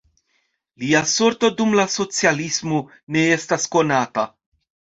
Lia sorto dum la socialismo ne estas konata.